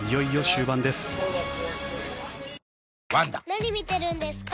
・何見てるんですか？